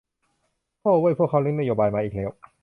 โธ่เว้ย พวกเขาเร่งนโยบายมาอีกแล้ว